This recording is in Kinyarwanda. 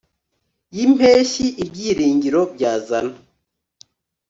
yimpeshyi ibyiringiro byazana